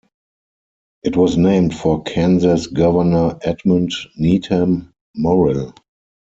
It was named for Kansas governor Edmund Needham Morrill.